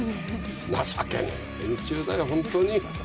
情けない連中だよ、本当に。